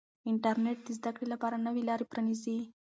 انټرنیټ د زده کړې لپاره نوې لارې پرانیزي.